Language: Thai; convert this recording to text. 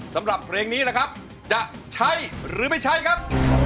สำหรับเพลงนี้ล่ะครับจะใช้หรือไม่ใช้ครับ